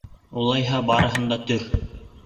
— Улайһа, барыһын да төр!